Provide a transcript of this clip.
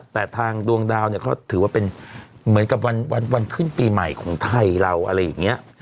แต่ทางดวงดาวเนี่ยเขาถือว่าเป็นเหมือนกับวันขึ้นปีใหม่ของไทยเราอะไรอย่างนี้